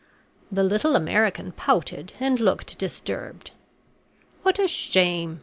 The little American pouted and looked disturbed. "What a shame!